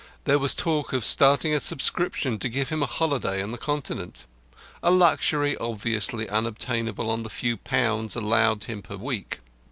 There was talk of starting a subscription to give him a holiday on the Continent a luxury obviously unobtainable on the few pounds allowed him per week.